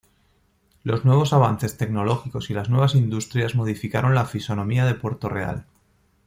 Los nuevos avances tecnológicos y las nuevas industrias modificaron la fisonomía de Puerto Real.